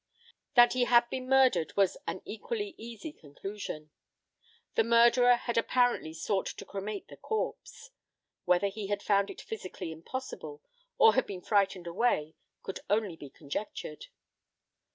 That he had been murdered was an equally easy conclusion. The murderer had apparently sought to cremate the corpse. Whether he had found it physically impossible, or had been frightened away, could only be conjectured.